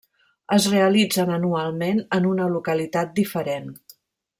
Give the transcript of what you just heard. Es realitzen anualment en una localitat diferent.